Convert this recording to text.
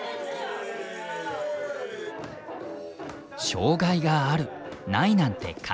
障害があるないなんて関係ない！